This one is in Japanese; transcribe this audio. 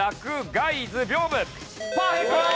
パーフェクト！